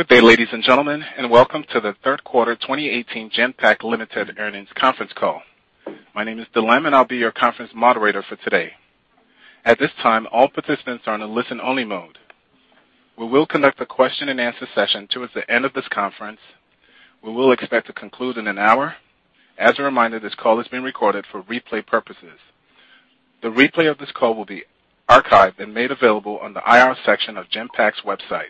Good day, ladies and gentlemen, and welcome to the third quarter 2018 Genpact Limited earnings conference call. My name is Dylam, and I'll be your conference moderator for today. At this time, all participants are in a listen-only mode. We will conduct a question and answer session towards the end of this conference. We will expect to conclude in an hour. As a reminder, this call is being recorded for replay purposes. The replay of this call will be archived and made available on the IR section of Genpact's website.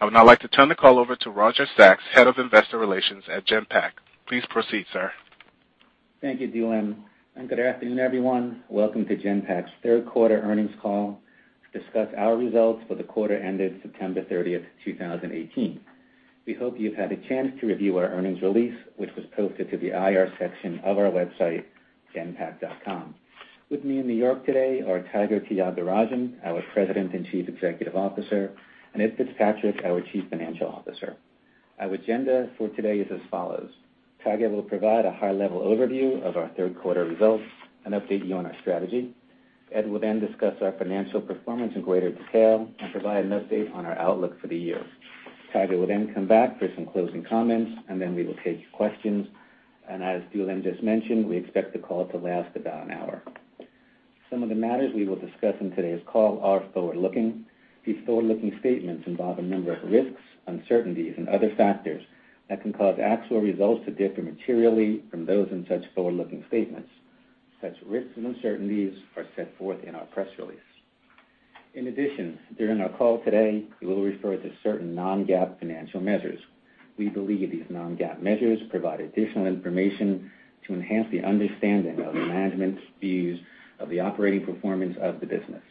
I would now like to turn the call over to Roger Sachs, Head of Investor Relations at Genpact. Please proceed, sir. Thank you, Dylam, and good afternoon, everyone. Welcome to Genpact's third quarter earnings call to discuss our results for the quarter ended September 30th, 2018. We hope you've had a chance to review our earnings release, which was posted to the IR section of our website, genpact.com. With me in New York today are Tiger Tyagarajan, our President and Chief Executive Officer, and Ed Fitzpatrick, our Chief Financial Officer. Our agenda for today is as follows. Tiger will provide a high-level overview of our third quarter results and update you on our strategy. Ed will then discuss our financial performance in greater detail and provide an update on our outlook for the year. Tiger will then come back for some closing comments, and then we will take questions. As Dylam just mentioned, we expect the call to last about an hour. Some of the matters we will discuss in today's call are forward-looking. These forward-looking statements involve a number of risks, uncertainties, and other factors that can cause actual results to differ materially from those in such forward-looking statements. Such risks and uncertainties are set forth in our press release. In addition, during our call today, we will refer to certain non-GAAP financial measures. We believe these non-GAAP measures provide additional information to enhance the understanding of management's views of the operating performance of the business.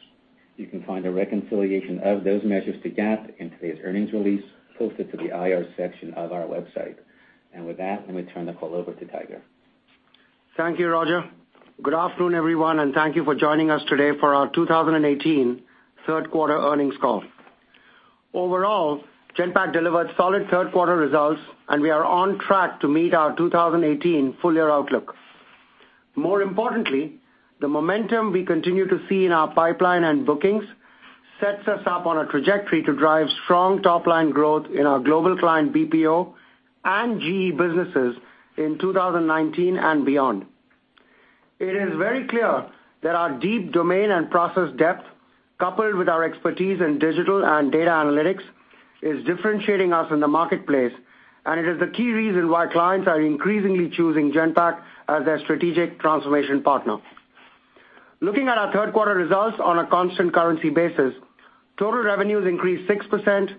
You can find a reconciliation of those measures to GAAP in today's earnings release posted to the IR section of our website. With that, let me turn the call over to Tiger. Thank you, Roger. Good afternoon, everyone, and thank you for joining us today for our 2018 third quarter earnings call. Overall, Genpact delivered solid third quarter results, and we are on track to meet our 2018 full-year outlook. More importantly, the momentum we continue to see in our pipeline and bookings sets us up on a trajectory to drive strong top-line growth in our global client BPO and GE businesses in 2019 and beyond. It is very clear that our deep domain and process depth, coupled with our expertise in digital and data analytics, is differentiating us in the marketplace, and it is the key reason why clients are increasingly choosing Genpact as their strategic transformation partner. Looking at our third quarter results on a constant currency basis, total revenues increased 6%,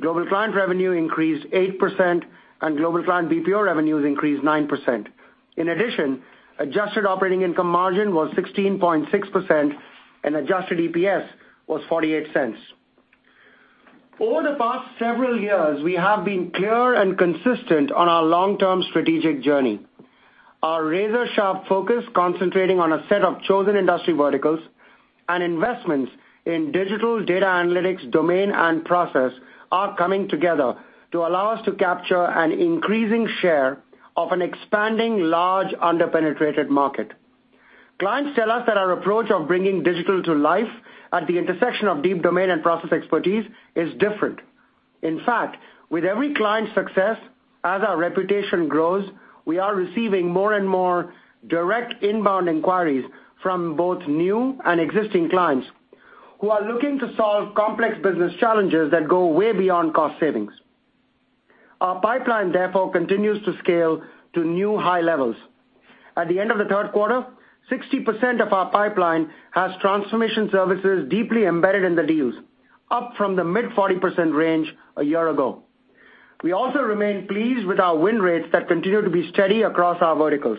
global client revenue increased 8%, and global client BPO revenues increased 9%. In addition, adjusted operating income margin was 16.6%, and adjusted EPS was $0.48. Over the past several years, we have been clear and consistent on our long-term strategic journey. Our razor-sharp focus concentrating on a set of chosen industry verticals and investments in digital data analytics, domain, and process are coming together to allow us to capture an increasing share of an expanding large under-penetrated market. Clients tell us that our approach of bringing digital to life at the intersection of deep domain and process expertise is different. In fact, with every client success, as our reputation grows, we are receiving more and more direct inbound inquiries from both new and existing clients who are looking to solve complex business challenges that go way beyond cost savings. Our pipeline, therefore, continues to scale to new high levels. At the end of the third quarter, 60% of our pipeline has transformation services deeply embedded in the deals, up from the mid 40% range a year ago. We also remain pleased with our win rates that continue to be steady across our verticals.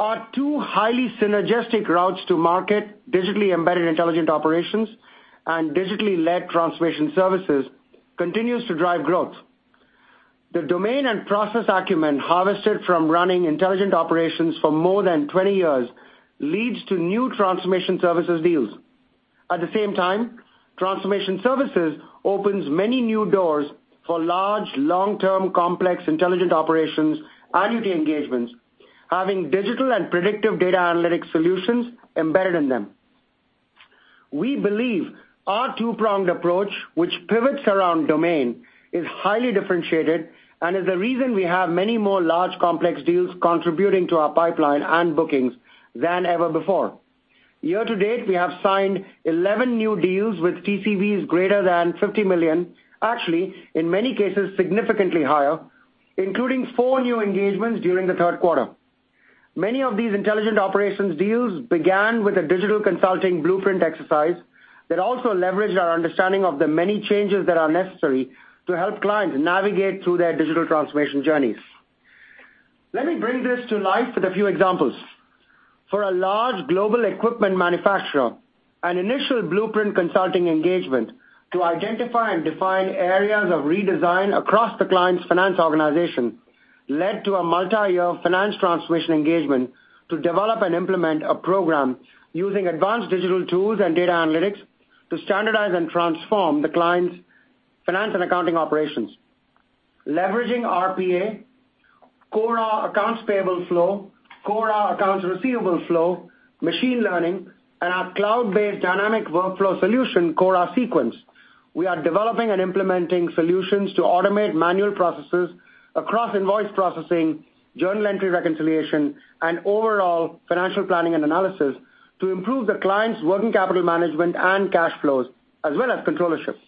Our two highly synergistic routes to market, digitally embedded Intelligent Operations and digitally led transformation services, continues to drive growth. The domain and process acumen harvested from running Intelligent Operations for more than 20 years leads to new transformation services deals. At the same time, transformation services opens many new doors for large, long-term, complex, intelligent operations, IoT engagements, having digital and predictive data analytics solutions embedded in them. We believe our two-pronged approach, which pivots around domain, is highly differentiated and is the reason we have many more large, complex deals contributing to our pipeline and bookings than ever before. Year to date, we have signed 11 new deals with TCVs greater than $50 million, actually in many cases, significantly higher, including four new engagements during the third quarter. Many of these Intelligent Operations deals began with a digital consulting blueprint exercise that also leveraged our understanding of the many changes that are necessary to help clients navigate through their digital transformation journeys. Let me bring this to life with a few examples. For a large global equipment manufacturer, an initial blueprint consulting engagement to identify and define areas of redesign across the client's finance organization led to a multi-year finance transformation engagement to develop and implement a program using advanced digital tools and data analytics to standardize and transform the client's finance and accounting operations. Leveraging RPA, Cora APFlow, Cora ARFlow, machine learning, and our cloud-based dynamic workflow solution, Cora SeQuence. We are developing and implementing solutions to automate manual processes across invoice processing, journal entry reconciliation, and overall financial planning and analysis to improve the client's working capital management and cash flows, as well as controllerships.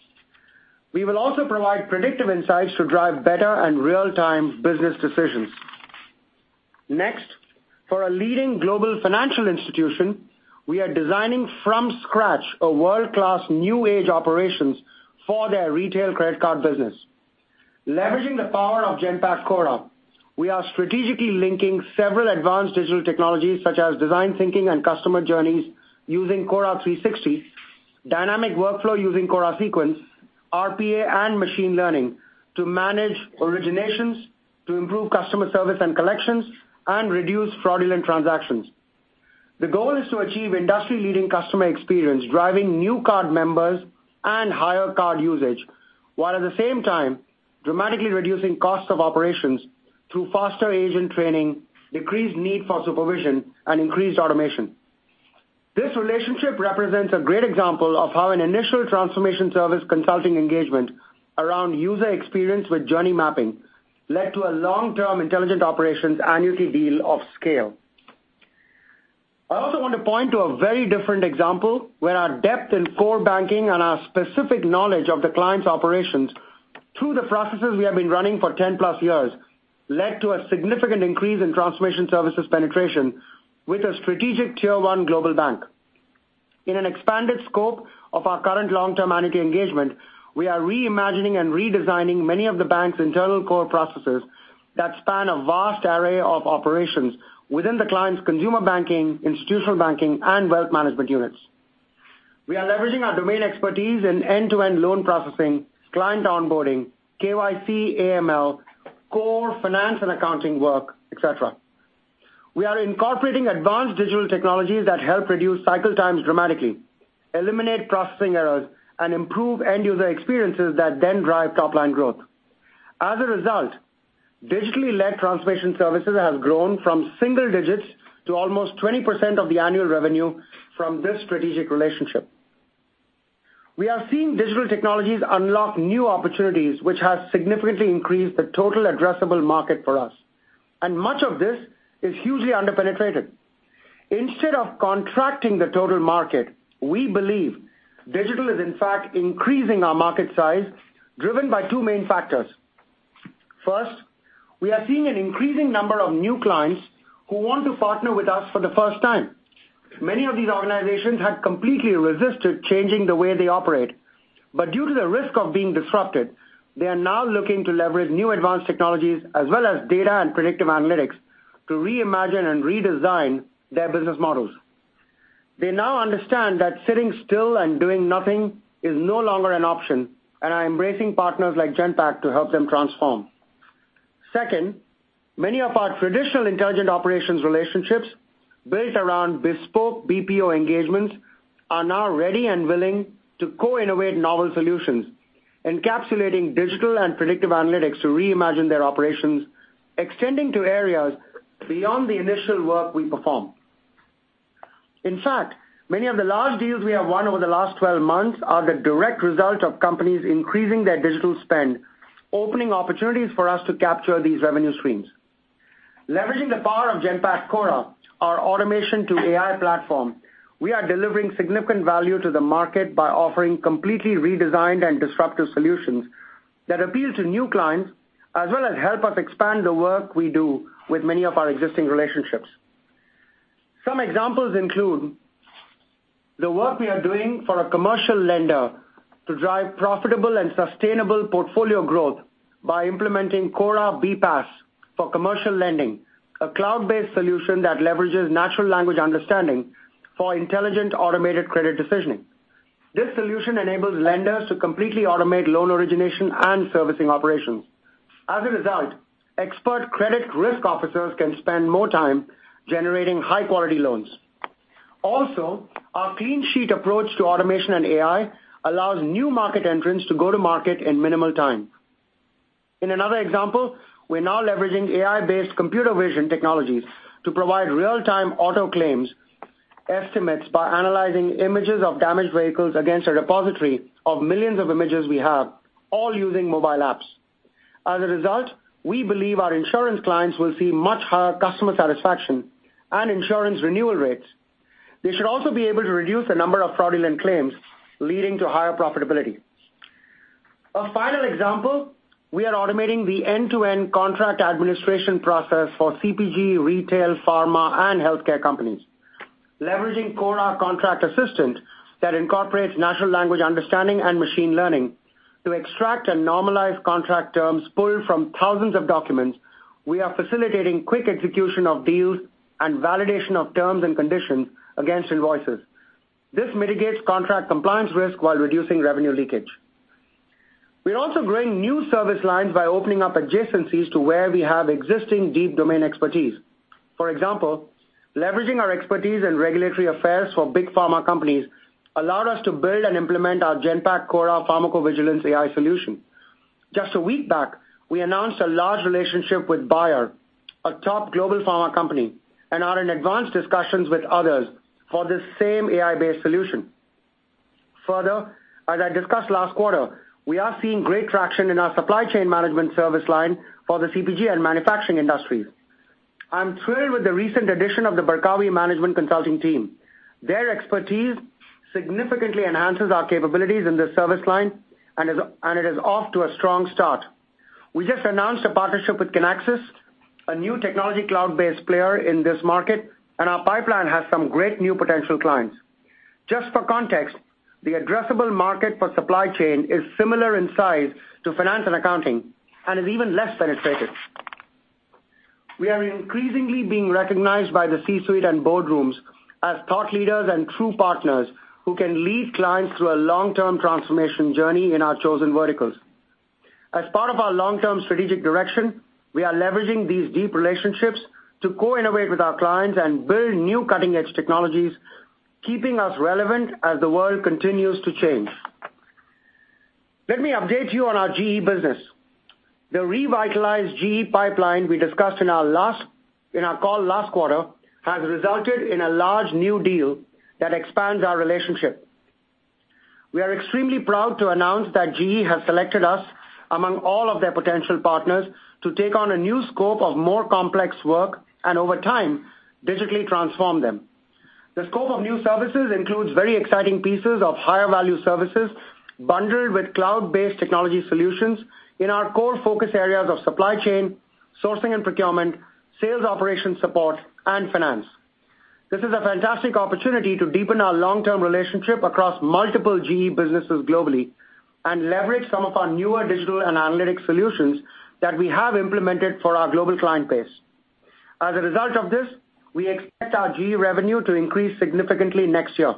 We will also provide predictive insights to drive better and real-time business decisions. Next, for a leading global financial institution, we are designing from scratch a world-class new age operations for their retail credit card business. Leveraging the power of Genpact Cora, we are strategically linking several advanced digital technologies such as design thinking and customer journeys using Cora 360, dynamic workflow using Cora SeQuence, RPA and machine learning to manage originations, to improve customer service and collections, and reduce fraudulent transactions. The goal is to achieve industry-leading customer experience, driving new card members and higher card usage, while at the same time dramatically reducing cost of operations through faster agent training, decreased need for supervision, and increased automation. This relationship represents a great example of how an initial transformation service consulting engagement around user experience with journey mapping led to a long-term intelligent operations annuity deal of scale. I also want to point to a very different example where our depth in core banking and our specific knowledge of the client's operations through the processes we have been running for 10+ years led to a significant increase in transformation services penetration with a strategic tier 1 global bank. In an expanded scope of our current long-term annuity engagement, we are reimagining and redesigning many of the bank's internal core processes that span a vast array of operations within the client's consumer banking, institutional banking, and wealth management units. We are leveraging our domain expertise in end-to-end loan processing, client onboarding, KYC, AML, core finance and accounting work, et cetera. We are incorporating advanced digital technologies that help reduce cycle times dramatically, eliminate processing errors, and improve end-user experiences that then drive top-line growth. As a result, digitally-led transformation services has grown from single digits to almost 20% of the annual revenue from this strategic relationship. We are seeing digital technologies unlock new opportunities which has significantly increased the total addressable market for us and much of this is hugely under-penetrated. Instead of contracting the total market, we believe digital is in fact increasing our market size, driven by two main factors. First, we are seeing an increasing number of new clients who want to partner with us for the first time. Many of these organizations had completely resisted changing the way they operate. Due to the risk of being disrupted, they are now looking to leverage new advanced technologies as well as data and predictive analytics to reimagine and redesign their business models. They now understand that sitting still and doing nothing is no longer an option and are embracing partners like Genpact to help them transform. Second, many of our traditional intelligent operations relationships built around bespoke BPO engagements are now ready and willing to co-innovate novel solutions, encapsulating digital and predictive analytics to reimagine their operations, extending to areas beyond the initial work we perform. In fact, many of the large deals we have won over the last 12 months are the direct result of companies increasing their digital spend, opening opportunities for us to capture these revenue streams. Leveraging the power of Genpact Cora, our automation to AI platform, we are delivering significant value to the market by offering completely redesigned and disruptive solutions that appeal to new clients, as well as help us expand the work we do with many of our existing relationships. Some examples include the work we are doing for a commercial lender to drive profitable and sustainable portfolio growth by implementing Cora BPaaS for commercial lending, a cloud-based solution that leverages natural language understanding for intelligent automated credit decisioning. This solution enables lenders to completely automate loan origination and servicing operations. As a result, expert credit risk officers can spend more time generating high-quality loans. Our clean sheet approach to automation and AI allows new market entrants to go to market in minimal time. In another example, we're now leveraging AI-based computer vision technologies to provide real-time auto claims estimates by analyzing images of damaged vehicles against a repository of millions of images we have, all using mobile apps. As a result, we believe our insurance clients will see much higher customer satisfaction and insurance renewal rates. They should also be able to reduce the number of fraudulent claims, leading to higher profitability. A final example, we are automating the end-to-end contract administration process for CPG, retail, pharma, and healthcare companies. Leveraging Cora Contract Assistant that incorporates natural language understanding and machine learning to extract and normalize contract terms pulled from thousands of documents, we are facilitating quick execution of deals and validation of terms and conditions against invoices. This mitigates contract compliance risk while reducing revenue leakage. We're growing new service lines by opening up adjacencies to where we have existing deep domain expertise. For example, leveraging our expertise in regulatory affairs for big pharma companies allowed us to build and implement our Genpact Cora PharmacoVigilance AI solution. Just a week back, we announced a large relationship with Bayer, a top global pharma company, and are in advanced discussions with others for this same AI-based solution. As I discussed last quarter, we are seeing great traction in our supply chain management service line for the CPG and manufacturing industries. I'm thrilled with the recent addition of the Barkawi management consulting team. Their expertise significantly enhances our capabilities in this service line, and it is off to a strong start. We just announced a partnership with Kinaxis, a new technology cloud-based player in this market. Our pipeline has some great new potential clients. Just for context, the addressable market for supply chain is similar in size to finance and accounting and is even less penetrated. We are increasingly being recognized by the C-suite and boardrooms as thought leaders and true partners who can lead clients through a long-term transformation journey in our chosen verticals. As part of our long-term strategic direction, we are leveraging these deep relationships to co-innovate with our clients and build new cutting-edge technologies, keeping us relevant as the world continues to change. Let me update you on our GE business. The revitalized GE pipeline we discussed in our call last quarter has resulted in a large new deal that expands our relationship. We are extremely proud to announce that GE has selected us among all of their potential partners to take on a new scope of more complex work, over time, digitally transform them. The scope of new services includes very exciting pieces of higher value services bundled with cloud-based technology solutions in our core focus areas of supply chain, sourcing and procurement, sales operation support, and finance. This is a fantastic opportunity to deepen our long-term relationship across multiple GE businesses globally and leverage some of our newer digital and analytics solutions that we have implemented for our global client base. As a result of this, we expect our GE revenue to increase significantly next year.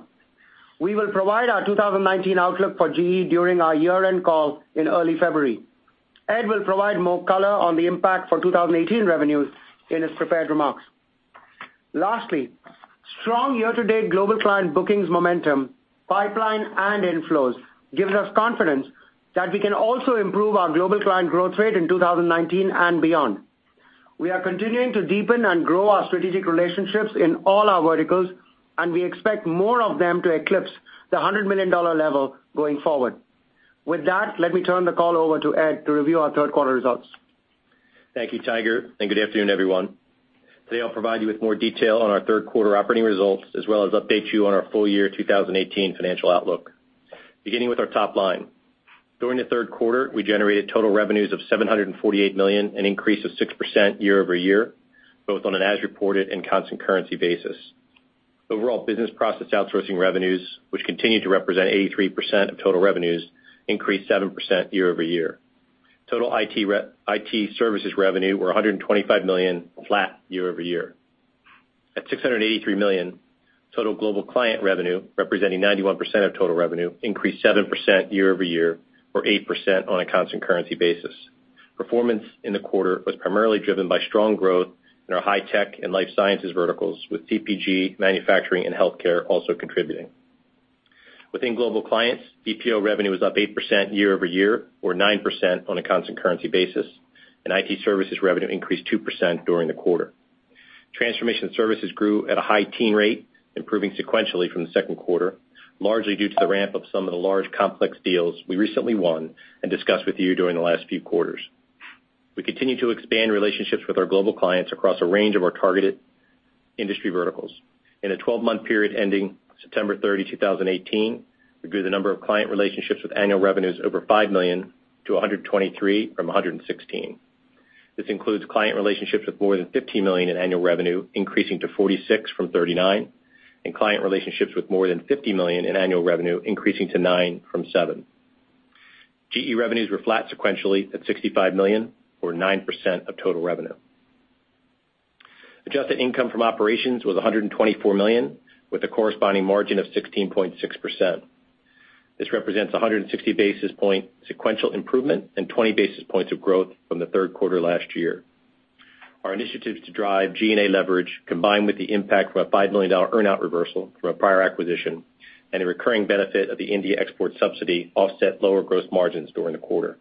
We will provide our 2019 outlook for GE during our year-end call in early February. Ed will provide more color on the impact for 2018 revenues in his prepared remarks. Lastly, strong year-to-date global client bookings momentum, pipeline, and inflows gives us confidence that we can also improve our global client growth rate in 2019 and beyond. We are continuing to deepen and grow our strategic relationships in all our verticals, and we expect more of them to eclipse the $100 million level going forward. With that, let me turn the call over to Ed to review our third quarter results. Thank you, Tiger, and good afternoon, everyone. Today, I'll provide you with more detail on our third quarter operating results, as well as update you on our full year 2018 financial outlook. Beginning with our top line. During the third quarter, we generated total revenues of $748 million, an increase of 6% year-over-year, both on an as-reported and constant currency basis. Overall business process outsourcing revenues, which continue to represent 83% of total revenues, increased 7% year-over-year. Total IT services revenue were $125 million, flat year-over-year. At $683 million, total global client revenue, representing 91% of total revenue, increased 7% year-over-year or 8% on a constant currency basis. Performance in the quarter was primarily driven by strong growth in our high tech and life sciences verticals, with CPG, manufacturing, and healthcare also contributing. Within global clients, BPO revenue was up 8% year-over-year or 9% on a constant currency basis, and IT services revenue increased 2% during the quarter. Transformation services grew at a high teen rate, improving sequentially from the second quarter, largely due to the ramp of some of the large complex deals we recently won and discussed with you during the last few quarters. We continue to expand relationships with our global clients across a range of our targeted industry verticals. In a 12-month period ending September 30, 2018, we grew the number of client relationships with annual revenues over $5 million to 123 from 116. This includes client relationships with more than $15 million in annual revenue increasing to 46 from 39, and client relationships with more than $50 million in annual revenue increasing to nine from seven. GE revenues were flat sequentially at $65 million or 9% of total revenue. Adjusted income from operations was $124 million, with a corresponding margin of 16.6%. This represents 160 basis point sequential improvement and 20 basis points of growth from the third quarter last year. Our initiatives to drive G&A leverage, combined with the impact from a $5 million earn-out reversal from a prior acquisition and the recurring benefit of the India export subsidy offset lower gross margins during the quarter.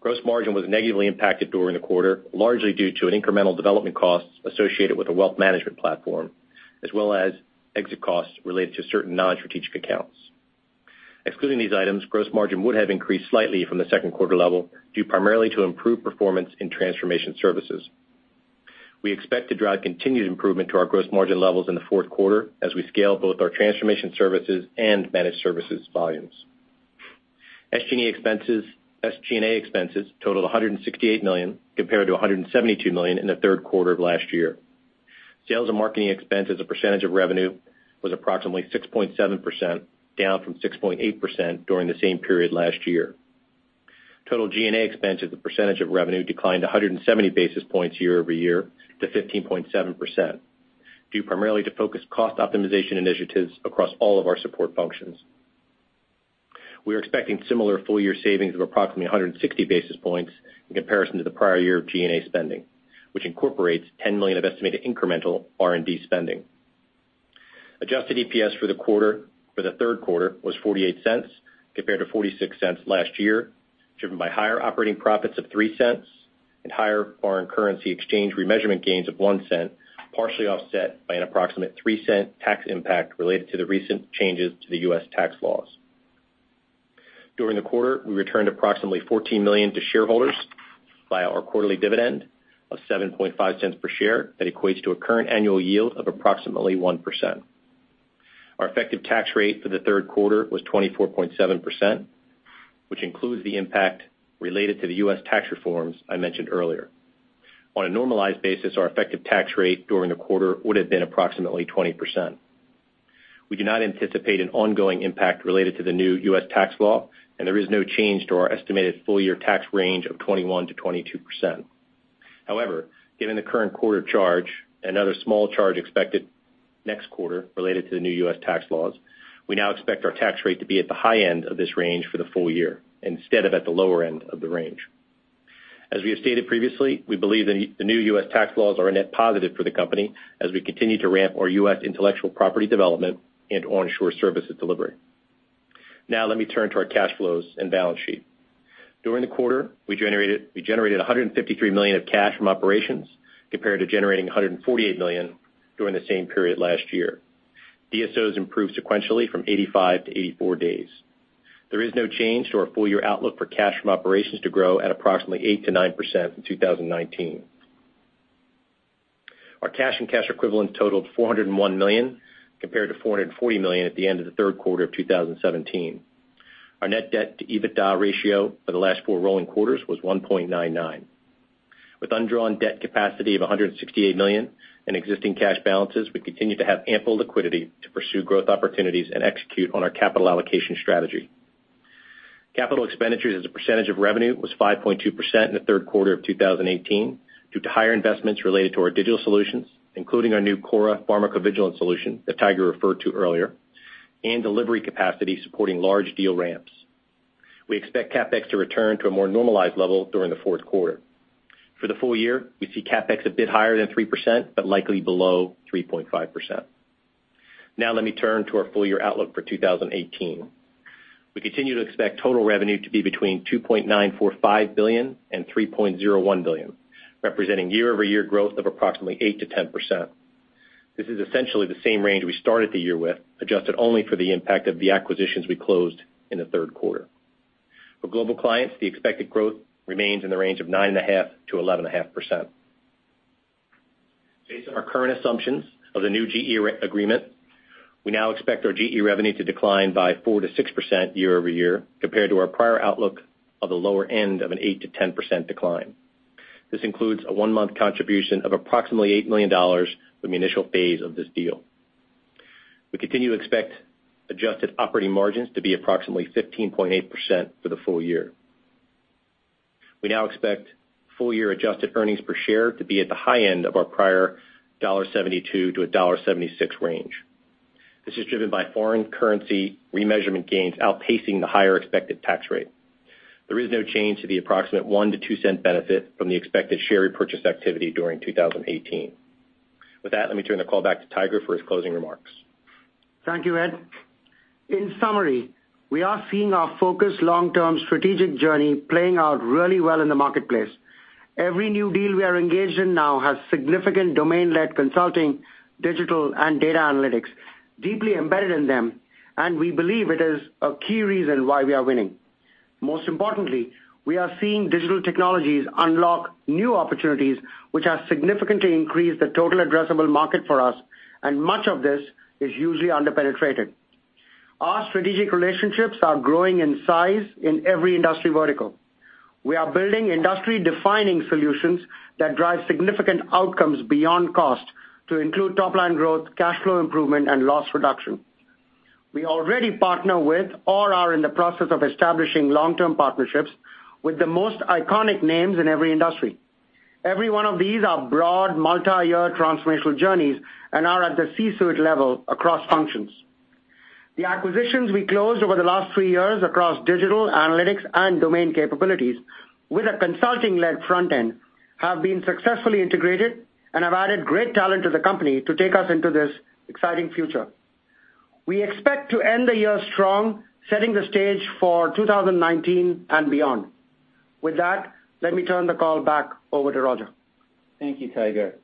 Gross margin was negatively impacted during the quarter, largely due to an incremental development cost associated with a wealth management platform, as well as exit costs related to certain non-strategic accounts. Excluding these items, gross margin would have increased slightly from the second quarter level, due primarily to improved performance in transformation services. We expect to drive continued improvement to our gross margin levels in the fourth quarter as we scale both our transformation services and managed services volumes. SG&A expenses totaled $168 million, compared to $172 million in the third quarter of last year. Sales and marketing expense as a percentage of revenue was approximately 6.7%, down from 6.8% during the same period last year. Total G&A expense as a percentage of revenue declined 170 basis points year-over-year to 15.7%, due primarily to focused cost optimization initiatives across all of our support functions. We're expecting similar full-year savings of approximately 160 basis points in comparison to the prior year of G&A spending, which incorporates $10 million of estimated incremental R&D spending. Adjusted EPS for the third quarter was $0.48 compared to $0.46 last year, driven by higher operating profits of $0.03 and higher foreign currency exchange remeasurement gains of $0.01, partially offset by an approximate $0.03 tax impact related to the recent changes to the U.S. tax laws. During the quarter, we returned approximately $14 million to shareholders via our quarterly dividend of $0.075 per share. That equates to a current annual yield of approximately 1%. Our effective tax rate for the third quarter was 24.7%, which includes the impact related to the U.S. tax reforms I mentioned earlier. On a normalized basis, our effective tax rate during the quarter would've been approximately 20%. We do not anticipate an ongoing impact related to the new U.S. tax law, and there is no change to our estimated full-year tax range of 21%-22%. However, given the current quarter charge, another small charge expected next quarter related to the new U.S. tax laws, we now expect our tax rate to be at the high end of this range for the full year instead of at the lower end of the range. As we have stated previously, we believe the new U.S. tax laws are a net positive for the company as we continue to ramp our U.S. intellectual property development and onshore services delivery. Now let me turn to our cash flows and balance sheet. During the quarter, we generated $153 million of cash from operations compared to generating $148 million during the same period last year. DSOs improved sequentially from 85 to 84 days. There is no change to our full-year outlook for cash from operations to grow at approximately 8%-9% in 2019. Our cash and cash equivalents totaled $401 million compared to $440 million at the end of the third quarter of 2017. Our net debt to EBITDA ratio for the last four rolling quarters was 1.99. With undrawn debt capacity of $168 million in existing cash balances, we continue to have ample liquidity to pursue growth opportunities and execute on our capital allocation strategy. Capital expenditures as a percentage of revenue was 5.2% in the third quarter of 2018 due to higher investments related to our digital solutions, including our new Cora PharmacoVigilance solution that Tiger referred to earlier, and delivery capacity supporting large deal ramps. We expect CapEx to return to a more normalized level during the fourth quarter. For the full year, we see CapEx a bit higher than 3%, but likely below 3.5%. Now let me turn to our full-year outlook for 2018. We continue to expect total revenue to be between $2.945 billion and $3.01 billion, representing year-over-year growth of approximately 8%-10%. This is essentially the same range we started the year with, adjusted only for the impact of the acquisitions we closed in the third quarter. For Global Clients, the expected growth remains in the range of 9.5%-11.5%. Based on our current assumptions of the new GE agreement, we now expect our GE revenue to decline by 4%-6% year-over-year, compared to our prior outlook of the lower end of an 8%-10% decline. This includes a one-month contribution of approximately $8 million from the initial phase of this deal. We continue to expect adjusted operating margins to be approximately 15.8% for the full year. We now expect full-year adjusted earnings per share to be at the high end of our prior $1.72-$1.76 range. This is driven by foreign currency remeasurement gains outpacing the higher expected tax rate. There is no change to the approximate $0.01-$0.02 benefit from the expected share repurchase activity during 2018. With that, let me turn the call back to Tiger for his closing remarks. Thank you, Ed. In summary, we are seeing our focused long-term strategic journey playing out really well in the marketplace. Every new deal we are engaged in now has significant domain-led consulting, digital, and data analytics deeply embedded in them. We believe it is a key reason why we are winning. Most importantly, we are seeing digital technologies unlock new opportunities, which have significantly increased the total addressable market for us. Much of this is usually under-penetrated. Our strategic relationships are growing in size in every industry vertical. We are building industry-defining solutions that drive significant outcomes beyond cost to include top-line growth, cash flow improvement, and loss reduction. We already partner with or are in the process of establishing long-term partnerships with the most iconic names in every industry. Every one of these are broad multi-year transformational journeys and are at the C-suite level across functions. The acquisitions we closed over the last three years across digital, analytics, and domain capabilities with a consulting-led front end have been successfully integrated and have added great talent to the company to take us into this exciting future. We expect to end the year strong, setting the stage for 2019 and beyond. With that, let me turn the call back over to Roger. Thank you, Tiger.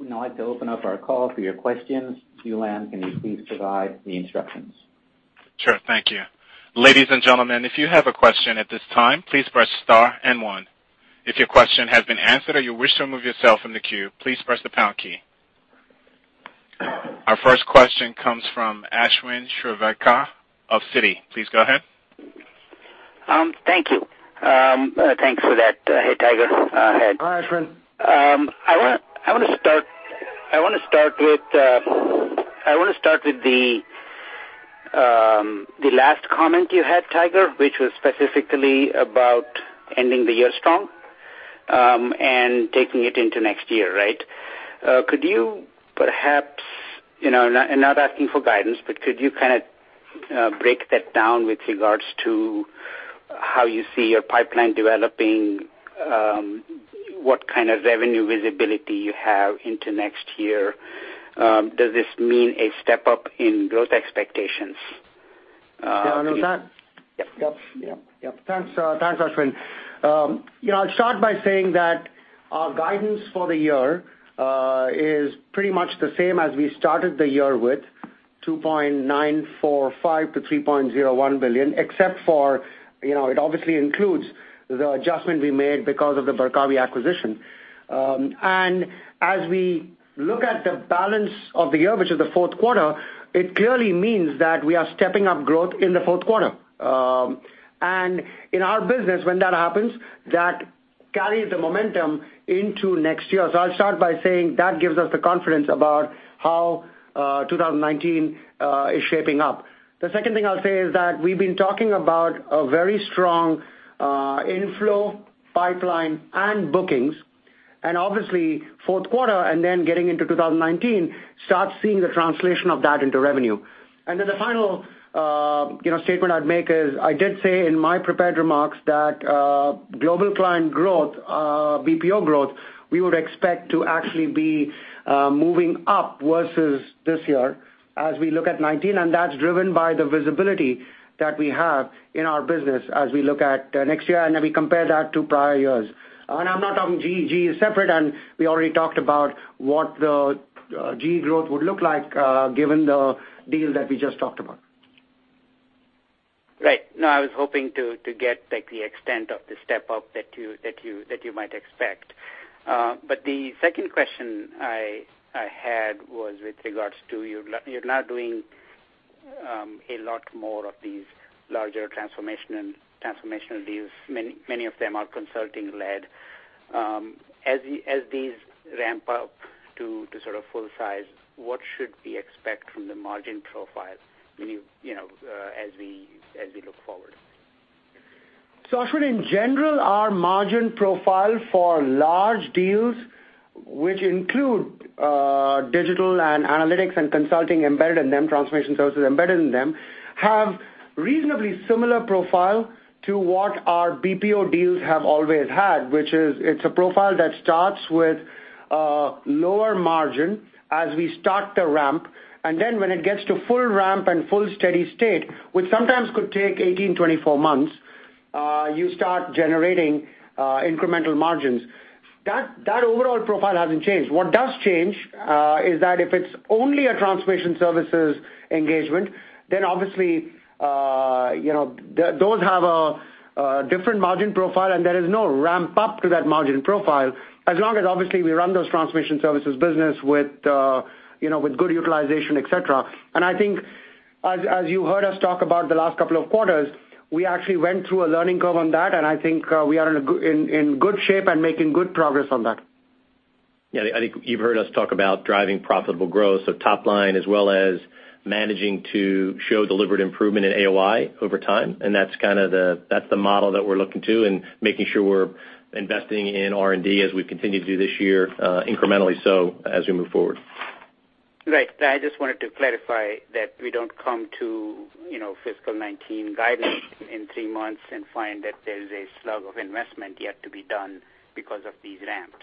We'd now like to open up our call for your questions. Dylam, can you please provide the instructions? Sure. Thank you. Ladies and gentlemen, if you have a question at this time, please press star and one. If your question has been answered or you wish to remove yourself from the queue, please press the pound key. Our first question comes from Ashwin Shirvaikar of Citi. Please go ahead. Thank you. Thanks for that. Hey, Tiger. Hi, Ashwin. I want to start with the last comment you had, Tiger, which was specifically about ending the year strong and taking it into next year, right? I'm not asking for guidance, but could you kind of break that down with regards to how you see your pipeline developing, what kind of revenue visibility you have into next year? Does this mean a step up in growth expectations? Yeah. Thanks, Ashwin. I'll start by saying that our guidance for the year is pretty much the same as we started the year with, $2.945 billion-$3.01 billion, except for, it obviously includes the adjustment we made because of the Barkawi acquisition. As we look at the balance of the year, which is the fourth quarter, it clearly means that we are stepping up growth in the fourth quarter. In our business, when that happens, that carries the momentum into next year. I'll start by saying that gives us the confidence about how 2019 is shaping up. The second thing I'll say is that we've been talking about a very strong inflow pipeline and bookings, obviously fourth quarter and then getting into 2019, start seeing the translation of that into revenue. The final statement I'd make is, I did say in my prepared remarks that, global client growth, BPO growth, we would expect to actually be moving up versus this year as we look at 2019, that's driven by the visibility that we have in our business as we look at next year and then we compare that to prior years. I'm not on GE. GE is separate, we already talked about what the GE growth would look like, given the deal that we just talked about. Right. No, I was hoping to get the extent of the step up that you might expect. The second question I had was with regards to, you're now doing a lot more of these larger transformational deals. Many of them are consulting led. As these ramp up to sort of full size, what should we expect from the margin profile as we look forward? Ashwin, in general, our margin profile for large deals, which include digital and analytics and consulting embedded in them, transformation services embedded in them, have reasonably similar profile to what our BPO deals have always had, which is, it's a profile that starts with a lower margin as we start the ramp, and when it gets to full ramp and full steady state, which sometimes could take 18, 24 months, you start generating incremental margins. That overall profile hasn't changed. What does change is that if it's only a transformation services engagement, obviously, those have a different margin profile, and there is no ramp up to that margin profile, as long as obviously we run those transformation services business with good utilization, etc. I think as you heard us talk about the last couple of quarters, we actually went through a learning curve on that, and I think we are in good shape and making good progress on that. I think you've heard us talk about driving profitable growth. Top line as well as managing to show deliberate improvement in AOI over time, and that's the model that we're looking to and making sure we're investing in R&D as we continue to do this year, incrementally so as we move forward. Right. I just wanted to clarify that we don't come to fiscal 2019 guidance in three months and find that there's a slug of investment yet to be done because of these ramps.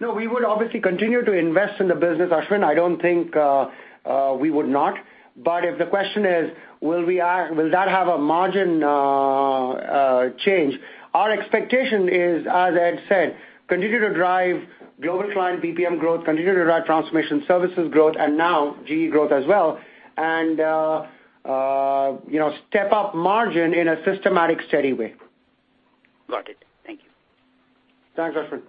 No, we would obviously continue to invest in the business, Ashwin. I don't think we would not. If the question is, will that have a margin change? Our expectation is, as Ed said, continue to drive global client BPM growth, continue to drive transformation services growth, and now GE growth as well, and step up margin in a systematic, steady way. Got it. Thank you. Thanks, Ashwin.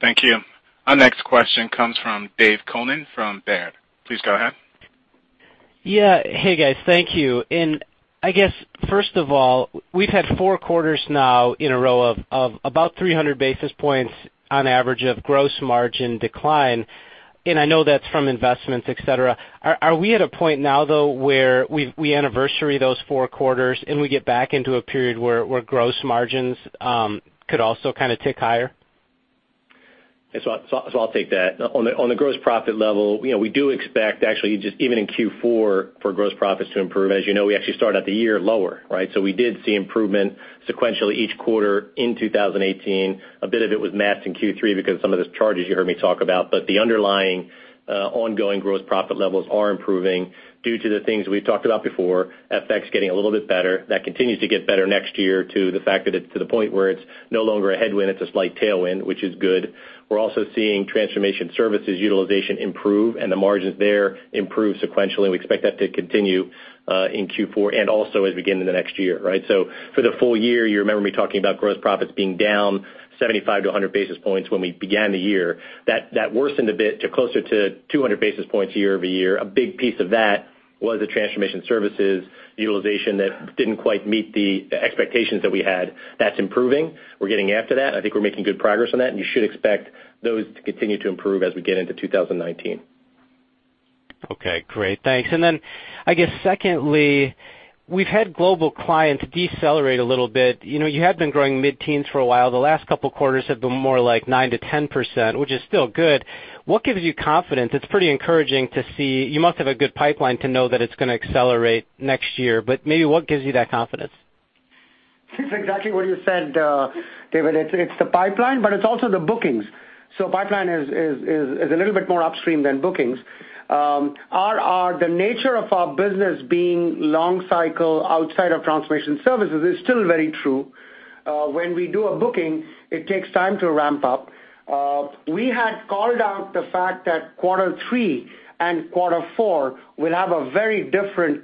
Thank you. Our next question comes from David Koning from Baird. Please go ahead. Yeah. Hey, guys. Thank you. I guess, first of all, we've had four quarters now in a row of about 300 basis points on average of gross margin decline, and I know that's from investments, etc. Are we at a point now, though, where we anniversary those four quarters, and we get back into a period where gross margins could also kind of tick higher? I'll take that. On the gross profit level, we do expect actually just even in Q4 for gross profits to improve. As you know, we actually started out the year lower, right? We did see improvement sequentially each quarter in 2018. A bit of it was masked in Q3 because some of the charges you heard me talk about. The underlying, ongoing gross profit levels are improving due to the things we've talked about before. FX getting a little bit better. That continues to get better next year to the fact that it's to the point where it's no longer a headwind, it's a slight tailwind, which is good. We're also seeing transformation services utilization improve and the margins there improve sequentially. We expect that to continue in Q4 and also as we get into the next year, right? For the full year, you remember me talking about gross profits being down 75-100 basis points when we began the year. That worsened a bit to closer to 200 basis points year-over-year. A big piece of that was the transformation services utilization that didn't quite meet the expectations that we had. That's improving. We're getting after that. I think we're making good progress on that, and you should expect those to continue to improve as we get into 2019. Okay, great. Thanks. I guess secondly, we've had global clients decelerate a little bit. You have been growing mid-teens for a while. The last couple of quarters have been more like 9%-10%, which is still good. What gives you confidence? It's pretty encouraging to see. You must have a good pipeline to know that it's going to accelerate next year, but maybe what gives you that confidence? It's exactly what you said, David. It's the pipeline, but it's also the bookings. Pipeline is a little bit more upstream than bookings. The nature of our business being long cycle outside of transformation services is still very true. When we do a booking, it takes time to ramp up. We had called out the fact that quarter three and quarter four will have a very different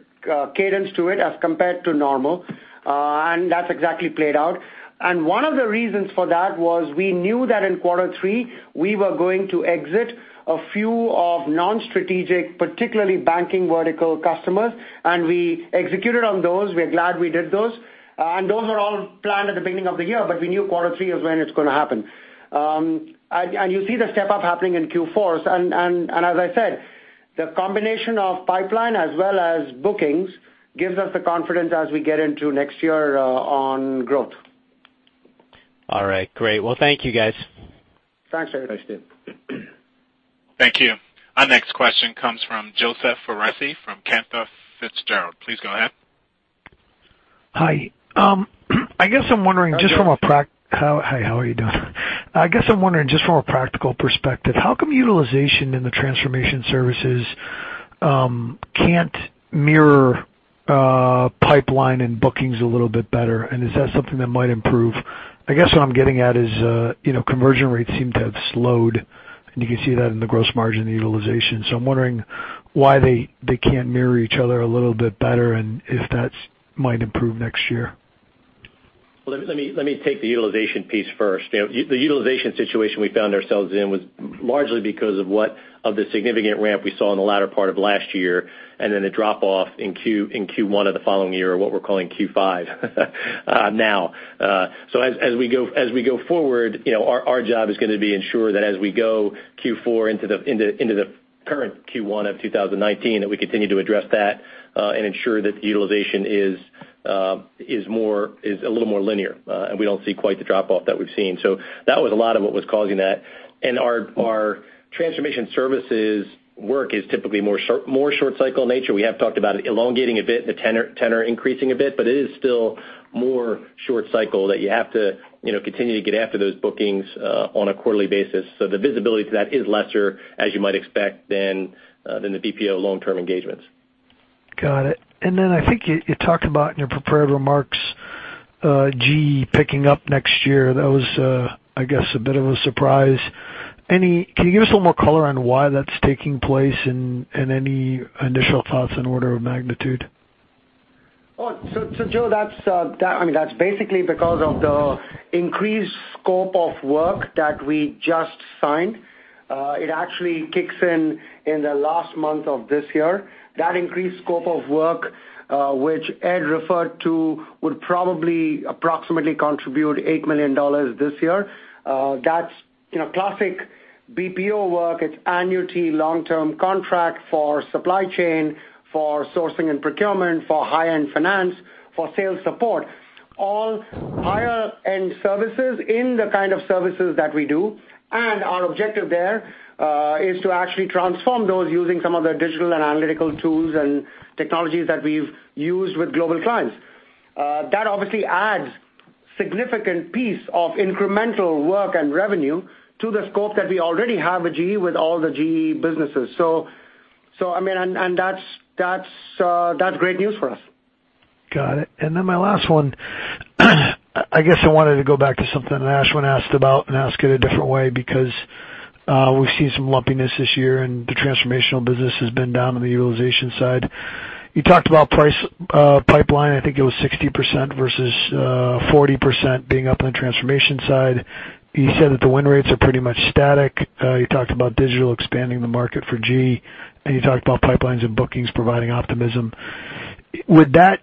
cadence to it as compared to normal. That's exactly played out. One of the reasons for that was we knew that in quarter three, we were going to exit a few of non-strategic, particularly banking vertical customers, and we executed on those. We're glad we did those. Those were all planned at the beginning of the year, but we knew quarter three is when it's going to happen. You see the step-up happening in Q4. As I said, the combination of pipeline as well as bookings gives us the confidence as we get into next year on growth. All right, great. Well, thank you, guys. Thanks very much, David. Thank you. Our next question comes from Joseph Foresi from Cantor Fitzgerald. Please go ahead. Hi. I guess I'm wondering just from a practical perspective. Hi, Joe. Hi, how are you doing? I guess I'm wondering, just from a practical perspective, how come utilization in the transformation services can't mirror pipeline and bookings a little bit better? Is that something that might improve? I guess what I'm getting at is conversion rates seem to have slowed, and you can see that in the gross margin utilization. I'm wondering why they can't mirror each other a little bit better and if that might improve next year. Let me take the utilization piece first. The utilization situation we found ourselves in was largely because of the significant ramp we saw in the latter part of last year, and then the drop off in Q1 of the following year, or what we're calling Q5 now. As we go forward, our job is going to be ensure that as we go Q4 into the current Q1 of 2019, that we continue to address that, and ensure that the utilization is a little more linear, and we don't see quite the drop off that we've seen. That was a lot of what was causing that. Our transformation services work is typically more short cycle in nature. We have talked about it elongating a bit and the tenor increasing a bit, but it is still more short cycle that you have to continue to get after those bookings on a quarterly basis. The visibility to that is lesser, as you might expect, than the BPO long-term engagements. Got it. I think you talked about in your prepared remarks, GE picking up next year. That was, I guess, a bit of a surprise. Can you give us a little more color on why that's taking place and any initial thoughts on order of magnitude? Joe, that's basically because of the increased scope of work that we just signed. It actually kicks in the last month of this year. That increased scope of work, which Ed referred to, would probably approximately contribute $8 million this year. That's classic BPO work. It's annuity long-term contract for supply chain, for sourcing and procurement, for high-end finance, for sales support. All higher-end services in the kind of services that we do. Our objective there, is to actually transform those using some of the digital and analytical tools and technologies that we've used with Global Clients. That obviously adds significant piece of incremental work and revenue to the scope that we already have with GE, with all the GE businesses. That's great news for us. Got it. Then my last one, I guess I wanted to go back to something Ashwin asked about and ask it a different way because, we've seen some lumpiness this year and the transformational business has been down on the utilization side. You talked about price pipeline, I think it was 60% versus 40% being up on the transformation side. You said that the win rates are pretty much static. You talked about digital expanding the market for GE, and you talked about pipelines and bookings providing optimism. Would that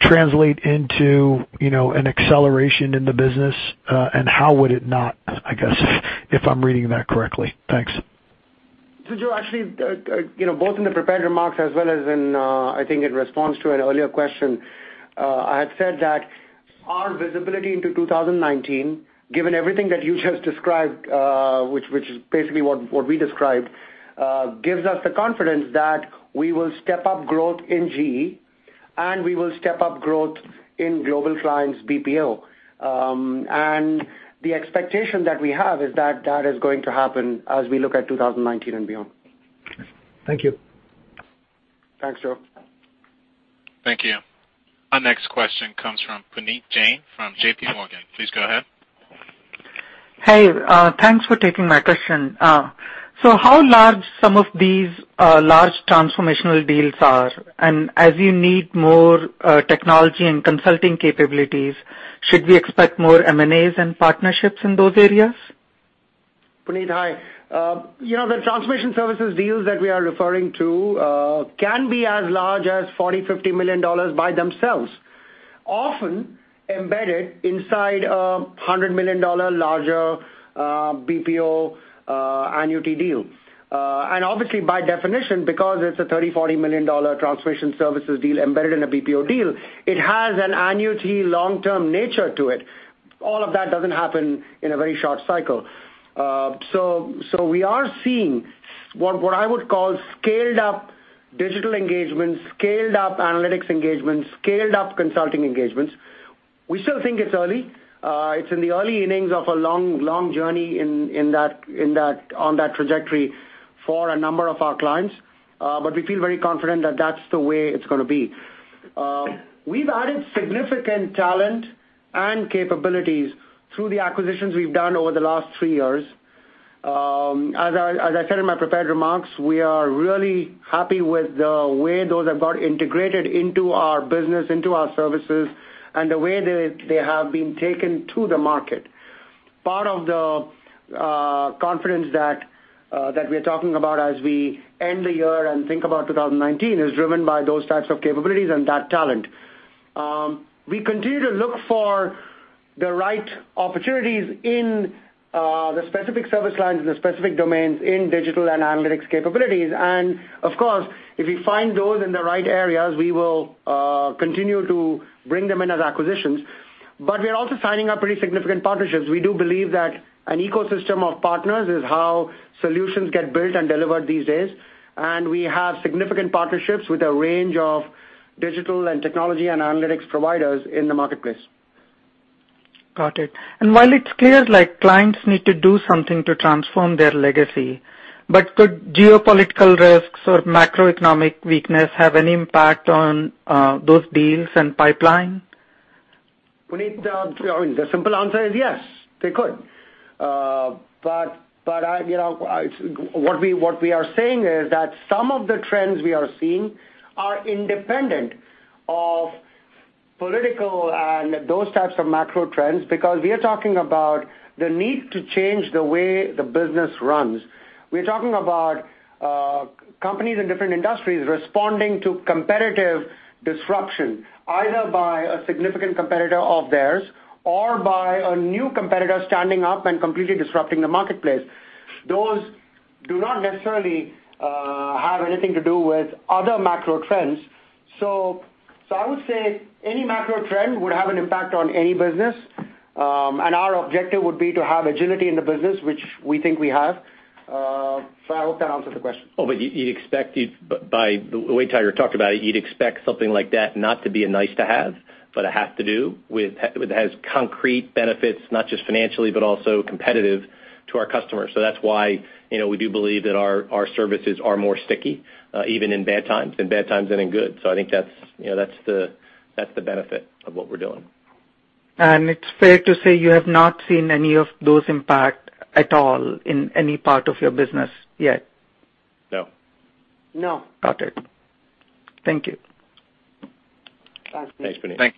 translate into an acceleration in the business? How would it not, I guess if I'm reading that correctly? Thanks. Joe, actually, both in the prepared remarks as well as in, I think in response to an earlier question, I had said that our visibility into 2019, given everything that you just described, which is basically what we described, gives us the confidence that we will step up growth in GE, and we will step up growth in Global Clients BPO. The expectation that we have is that is going to happen as we look at 2019 and beyond. Thank you. Thanks, Joe. Thank you. Our next question comes from Puneet Jain from J.P. Morgan. Please go ahead. Hey, thanks for taking my question. How large some of these large transformational deals are, and as you need more technology and consulting capabilities, should we expect more M&As and partnerships in those areas? Puneet, hi. The transformation services deals that we are referring to can be as large as $40, $50 million by themselves. Often embedded inside a $100 million larger BPO annuity deal. Obviously, by definition, because it's a $30, $40 million transformation services deal embedded in a BPO deal, it has an annuity long-term nature to it. All of that doesn't happen in a very short cycle. We are seeing what I would call scaled-up digital engagement, scaled-up analytics engagement, scaled-up consulting engagements. We still think it's early. It's in the early innings of a long journey on that trajectory for a number of our clients. We feel very confident that's the way it's going to be. We've added significant talent and capabilities through the acquisitions we've done over the last three years. As I said in my prepared remarks, we are really happy with the way those have got integrated into our business, into our services, and the way they have been taken to the market. Part of the confidence that we're talking about as we end the year and think about 2019 is driven by those types of capabilities and that talent. We continue to look for the right opportunities in the specific service lines and the specific domains in digital and analytics capabilities. Of course, if we find those in the right areas, we will continue to bring them in as acquisitions. We are also signing up pretty significant partnerships. We do believe that an ecosystem of partners is how solutions get built and delivered these days. We have significant partnerships with a range of digital and technology and analytics providers in the marketplace. Got it. While it's clear like clients need to do something to transform their legacy, could geopolitical risks or macroeconomic weakness have any impact on those deals and pipeline? Puneet, the simple answer is yes, they could. What we are saying is that some of the trends we are seeing are independent of political and those types of macro trends because we're talking about the need to change the way the business runs. We're talking about companies in different industries responding to competitive disruption, either by a significant competitor of theirs or by a new competitor standing up and completely disrupting the marketplace. Those do not necessarily have anything to do with other macro trends. I would say any macro trend would have an impact on any business, and our objective would be to have agility in the business, which we think we have. I hope that answers the question. You'd expect it by the way Tiger talked about it, you'd expect something like that not to be a nice to have, but a have to do with, it has concrete benefits, not just financially, but also competitive to our customers. That's why we do believe that our services are more sticky, even in bad times than in good. I think that's the benefit of what we're doing. It's fair to say you have not seen any of those impact at all in any part of your business yet? No. No. Got it. Thank you. Thanks. Thanks, Puneet.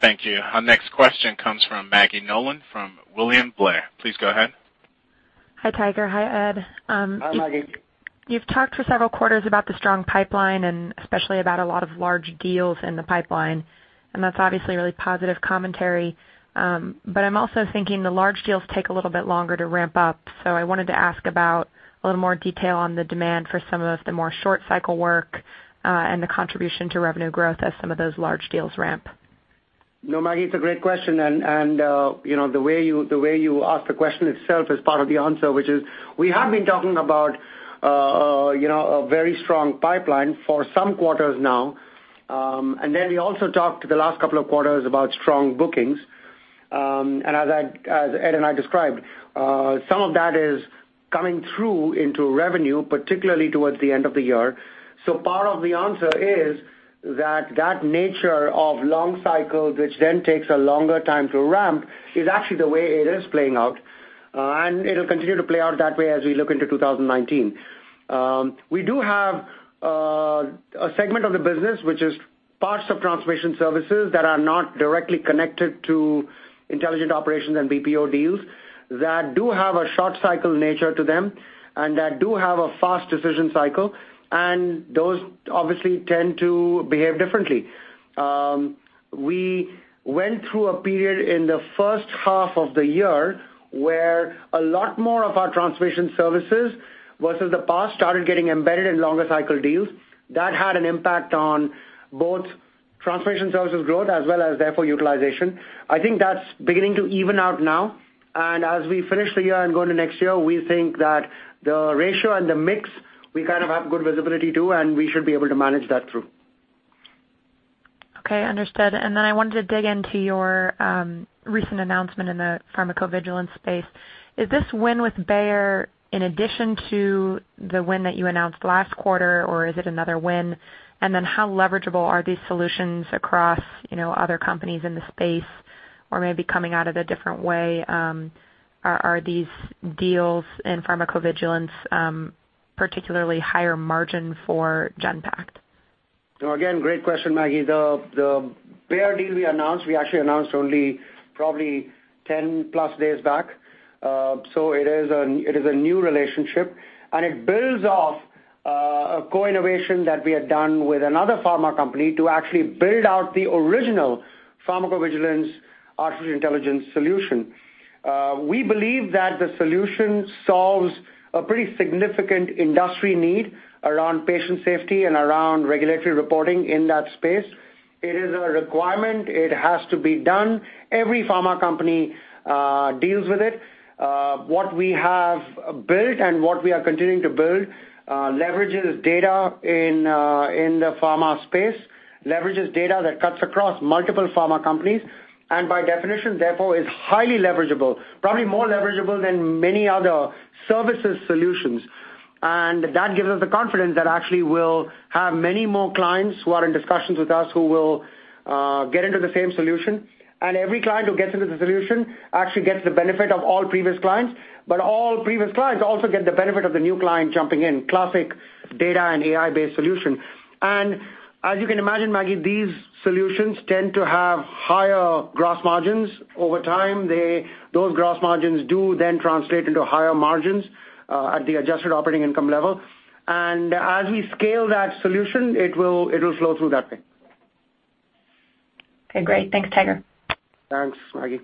Thank you. Our next question comes from Maggie Nolan from William Blair. Please go ahead. Hi, Tiger. Hi, Ed. Hi, Maggie. You've talked for several quarters about the strong pipeline and especially about a lot of large deals in the pipeline, and that's obviously really positive commentary. I'm also thinking the large deals take a little bit longer to ramp up. I wanted to ask about a little more detail on the demand for some of the more short cycle work, and the contribution to revenue growth as some of those large deals ramp. No, Maggie, it's a great question, and the way you ask the question itself is part of the answer, which is we have been talking about a very strong pipeline for some quarters now. We also talked the last couple of quarters about strong bookings. As Ed and I described, some of that is coming through into revenue, particularly towards the end of the year. Part of the answer is that nature of long cycles, which then takes a longer time to ramp, is actually the way it is playing out. It'll continue to play out that way as we look into 2019. We do have a segment of the business which is parts of transformation services that are not directly connected to intelligent operations and BPO deals that do have a short cycle nature to them and that do have a fast decision cycle. Those obviously tend to behave differently. We went through a period in the first half of the year where a lot more of our transformation services versus the past started getting embedded in longer cycle deals. That had an impact on both transformation services growth as well as therefore utilization. I think that's beginning to even out now. As we finish the year and go into next year, we think that the ratio and the mix we kind of have good visibility too, and we should be able to manage that through. I wanted to dig into your recent announcement in the pharmacovigilance space. Is this win with Bayer in addition to the win that you announced last quarter, or is it another win? How leverageable are these solutions across other companies in the space? Or maybe coming out of a different way, are these deals in pharmacovigilance particularly higher margin for Genpact? Again, great question, Maggie. The Bayer deal we announced, we actually announced only probably 10-plus days back. It is a new relationship, and it builds off a co-innovation that we had done with another pharma company to actually build out the original pharmacovigilance artificial intelligence solution. We believe that the solution solves a pretty significant industry need around patient safety and around regulatory reporting in that space. It is a requirement. It has to be done. Every pharma company deals with it. What we have built and what we are continuing to build leverages data in the pharma space, leverages data that cuts across multiple pharma companies, and by definition, therefore, is highly leverageable, probably more leverageable than many other services solutions. That gives us the confidence that actually we'll have many more clients who are in discussions with us who will get into the same solution. Every client who gets into the solution actually gets the benefit of all previous clients. All previous clients also get the benefit of the new client jumping in. Classic data and AI-based solution. As you can imagine, Maggie, these solutions tend to have higher gross margins over time. Those gross margins do then translate into higher margins at the adjusted operating income level. As we scale that solution, it'll flow through that way. Okay, great. Thanks, Tiger. Thanks, Maggie.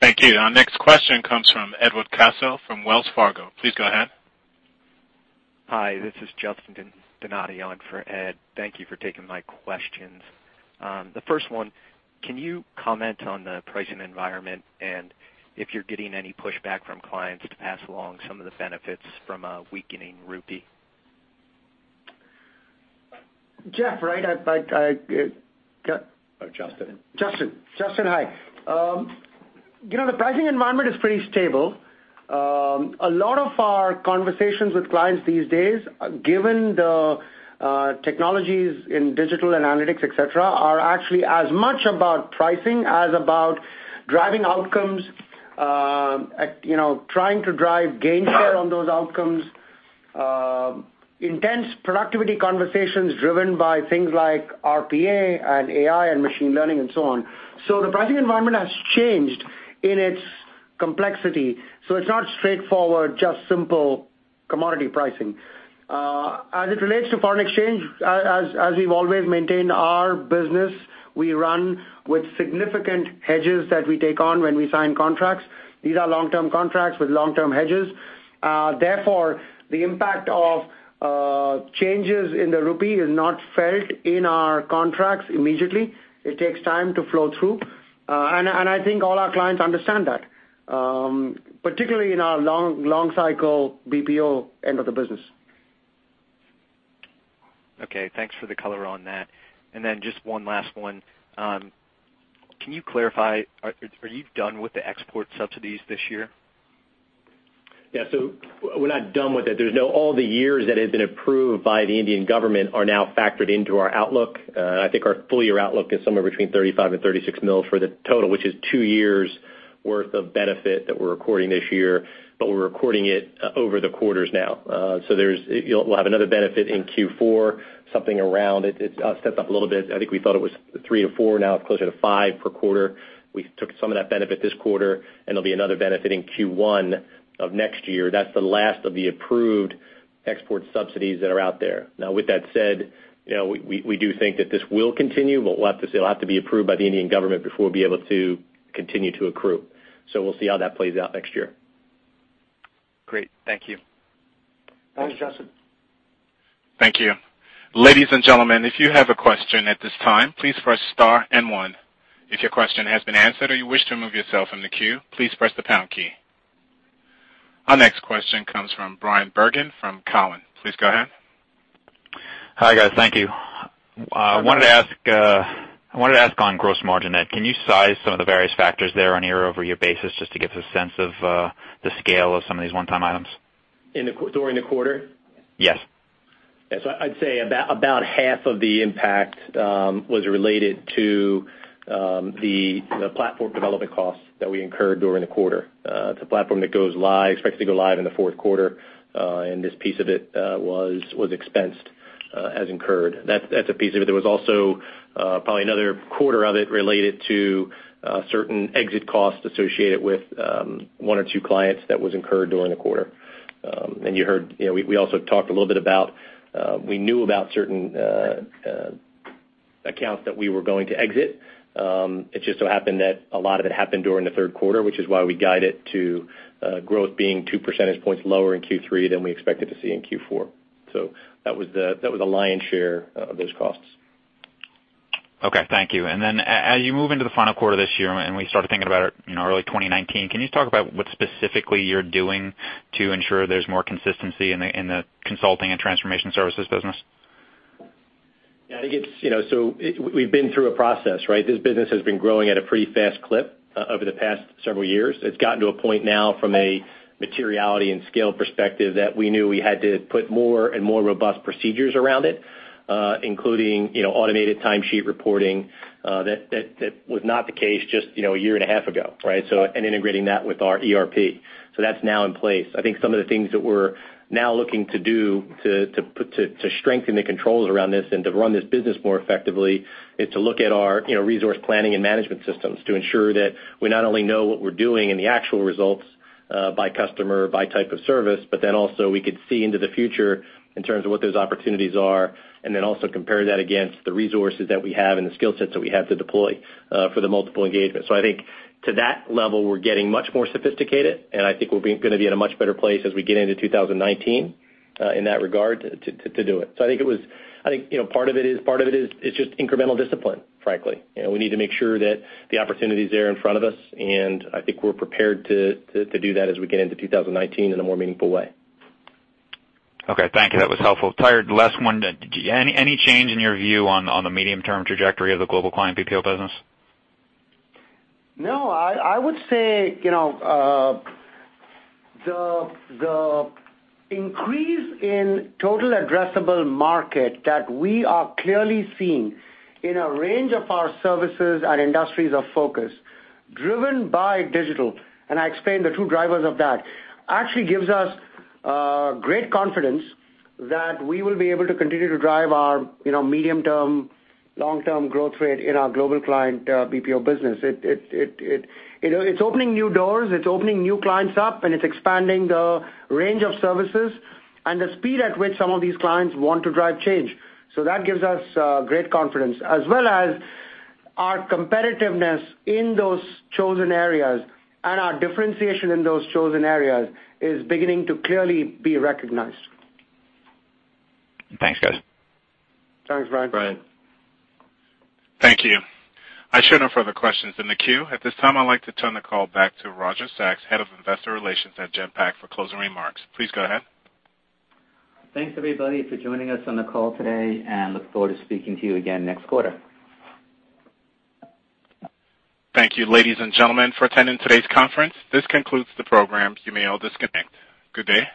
Thank you. Our next question comes from Edward Caso from Wells Fargo. Please go ahead. Hi, this is Justin Donadio on for Ed. Thank you for taking my questions. The first one, can you comment on the pricing environment and if you're getting any pushback from clients to pass along some of the benefits from a weakening rupee? Jeff, right? Justin. Justin, hi. The pricing environment is pretty stable. A lot of our conversations with clients these days, given the technologies in digital and analytics, etc., are actually as much about pricing as about driving outcomes, trying to drive gain share on those outcomes. Intense productivity conversations driven by things like RPA and AI and machine learning and so on. The pricing environment has changed in its complexity. It's not straightforward, just simple commodity pricing. As it relates to foreign exchange, as we've always maintained our business, we run with significant hedges that we take on when we sign contracts. These are long-term contracts with long-term hedges. Therefore, the impact of changes in the rupee is not felt in our contracts immediately. It takes time to flow through. I think all our clients understand that, particularly in our long cycle BPO end of the business. Okay, thanks for the color on that. Just one last one. Can you clarify, are you done with the export subsidies this year? Yeah. We're not done with it. There's now all the years that have been approved by the Indian government are now factored into our outlook. I think our full-year outlook is somewhere between $35 million and $36 million for the total, which is two years' worth of benefit that we're recording this year, but we're recording it over the quarters now. We'll have another benefit in Q4. It steps up a little bit. I think we thought it was $3 million to $4 million, now it's closer to $5 million per quarter. We took some of that benefit this quarter, and there'll be another benefit in Q1 of next year. That's the last of the approved export subsidies that are out there. With that said, we do think that this will continue, it'll have to be approved by the Indian government before we'll be able to continue to accrue. We'll see how that plays out next year. Great. Thank you. Thanks, Justin. Thank you. Ladies and gentlemen, if you have a question at this time, please press star and one. If your question has been answered or you wish to remove yourself from the queue, please press the pound key. Our next question comes from Bryan Bergin from Cowen. Please go ahead. Hi, guys. Thank you. I wanted to ask on gross margin net, can you size some of the various factors there on a year-over-year basis, just to get the sense of the scale of some of these one-time items? During the quarter? Yes. Yeah, I'd say about half of the impact was related to the platform development costs that we incurred during the quarter. It's a platform that goes live, expected to go live in the fourth quarter. This piece of it was expensed as incurred. That's a piece of it. There was also probably another quarter of it related to certain exit costs associated with one or two clients that was incurred during the quarter. You heard, we also talked a little bit about, we knew about certain accounts that we were going to exit. It just so happened that a lot of it happened during the third quarter, which is why we guide it to growth being two percentage points lower in Q3 than we expected to see in Q4. That was the lion's share of those costs. Okay. Thank you. As you move into the final quarter of this year, and we start thinking about early 2019, can you talk about what specifically you're doing to ensure there's more consistency in the consulting and transformation services business? Yeah, we've been through a process, right? This business has been growing at a pretty fast clip over the past several years. It's gotten to a point now from a materiality and scale perspective that we knew we had to put more and more robust procedures around it, including automated timesheet reporting. That was not the case just a year and a half ago, right? Integrating that with our ERP. That's now in place. I think some of the things that we're now looking to do to strengthen the controls around this and to run this business more effectively is to look at our resource planning and management systems to ensure that we not only know what we're doing and the actual results by customer, by type of service. Also, we could see into the future in terms of what those opportunities are, and then also compare that against the resources that we have and the skill sets that we have to deploy for the multiple engagements. I think to that level, we're getting much more sophisticated. I think we're going to be in a much better place as we get into 2019 in that regard to do it. I think part of it is just incremental discipline, frankly. We need to make sure that the opportunity is there in front of us. I think we're prepared to do that as we get into 2019 in a more meaningful way. Okay, thank you. That was helpful. Tiger, last one. Any change in your view on the medium-term trajectory of the global client BPO business? I would say, the increase in total addressable market that we are clearly seeing in a range of our services and industries of focus, driven by digital. I explained the two drivers of that, actually gives us great confidence that we will be able to continue to drive our medium term, long-term growth rate in our global client BPO business. It's opening new doors, it's opening new clients up, and it's expanding the range of services and the speed at which some of these clients want to drive change. That gives us great confidence, as well as our competitiveness in those chosen areas, and our differentiation in those chosen areas is beginning to clearly be recognized. Thanks, guys. Thanks, Bryan. Bryan. Thank you. I show no further questions in the queue. At this time, I'd like to turn the call back to Roger Sachs, Head of Investor Relations at Genpact, for closing remarks. Please go ahead. Thanks everybody for joining us on the call today, and look forward to speaking to you again next quarter. Thank you, ladies and gentlemen, for attending today's conference. This concludes the program. You may all disconnect. Good day.